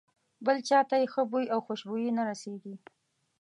بل چاته یې ښه بوی او خوشبويي نه رسېږي.